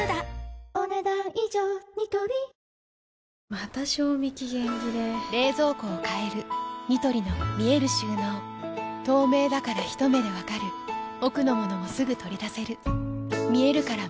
また賞味期限切れ冷蔵庫を変えるニトリの見える収納透明だからひと目で分かる奥の物もすぐ取り出せる見えるから無駄がないよし。